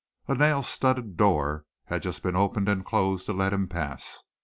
A nail studded door had just been opened and closed to let him pass.